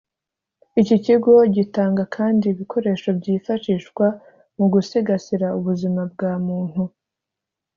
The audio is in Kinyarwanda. Iki kigo gitanga kandi ibikoresho byifashishwa mu gusigasira ubuzima bwa muntu